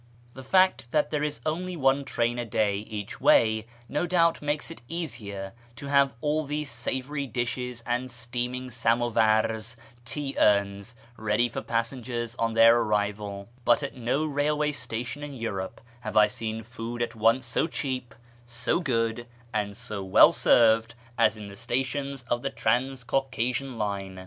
The fact that there is only one train a day each way no doubt makes it easier to have all these savoury dishes and steaming samovars (tea urns) ready for passengers on their arrival, but at no railway station in Europe have I seen food at once so cheap, so good, and so well served as in the stations of the Trans Caucasian line.